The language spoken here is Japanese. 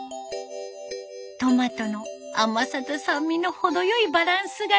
トマトの甘さと酸味の程よいバランスが人気。